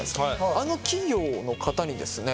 あの企業の方にですね